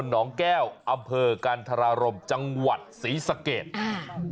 น้องแก้วอำเภอกันธรารมจังหวัดศรีสะเกดอ่า